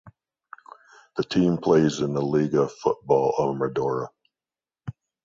The team plays in the Liga Futebol Amadora.